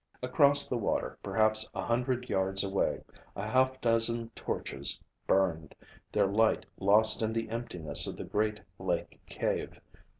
Across the water, perhaps a hundred yards away, a half dozen torches burned, their light lost in the emptiness of the great lake cave.